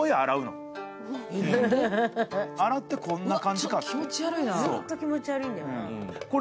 洗って、こんな感じか。